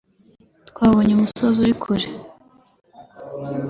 Twabonye umusozi uri kure.